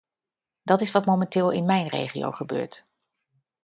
Dat is wat momenteel in mijn regio gebeurt.